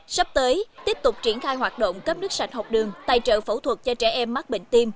sắp tới tiếp tục triển khai hoạt động cấp nước sạch học đường tài trợ phẫu thuật cho trẻ em mắc bệnh tim